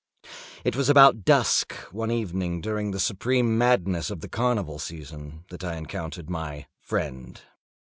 It was about dusk, one evening during the supreme madness of the carnival season, that I encountered my friend.